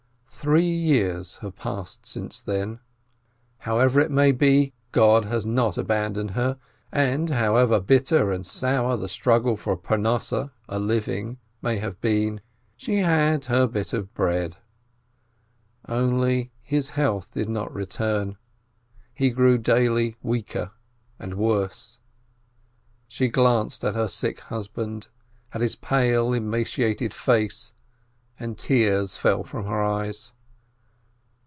Three years have passed since then. However it may be, God has not abandoned her, and however bitter and sour the struggle for Parnosseh may have been, she had her bit of bread. Only his health did not return, he grew daily weaker and worse. She glanced at her sick husband, at his pale, emaciated face, and tears fell from her eyes.